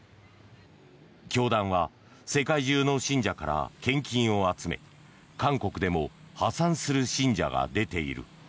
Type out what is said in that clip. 教団は世界中の信者から献金を集め韓国でも破産する信者が出ている。